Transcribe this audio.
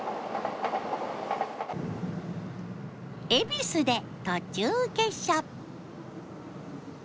恵比寿で途中下車。